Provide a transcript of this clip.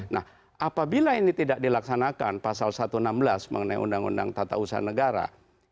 nah apabila ini tidak dilaksanakan pasal satu ratus enam belas mengenai undang undang tata usaha negara